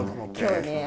今日ね